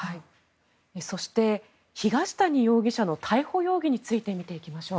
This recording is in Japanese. そして東谷容疑者の逮捕容疑について見ていきましょう。